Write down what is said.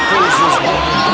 eh penjajah ente